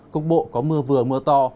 cục bộ có mưa vừa mưa to